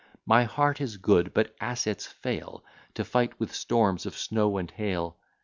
My heart is good; but assets fail, To fight with storms of snow and hail.